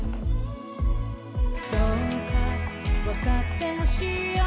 「どうか分かって欲しいよ」